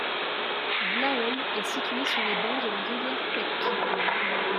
Vlaole est situé sur les bords de la rivière Pek.